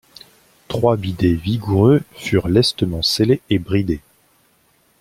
Trois bidets vigoureux furent lestement sellés et bridés.